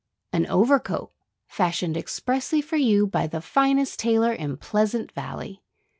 "An overcoat, fashioned expressly for you by the finest tailor in Pleasant Valley!"